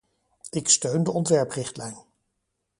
Ik steun de ontwerprichtlijn.